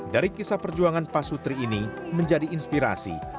dari kisah perjuangan pak sutri ini menjadi inspirasi